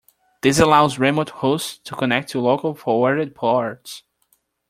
This allows remote hosts to connect to local forwarded ports.